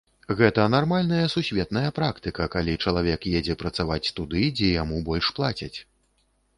Гэта нармальная сусветная практыка, калі чалавек едзе працаваць туды, дзе яму больш плацяць.